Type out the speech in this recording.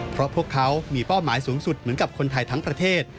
เพราะพวกเขามีเป้าหมายสูงสุดเหมือนกับคนไทยทั้งประเทศ